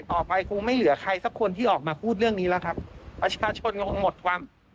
คงไม่เหลือใครสักคนที่ออกมาพูดเรื่องนี้แล้วครับประชาชนคงหมดความ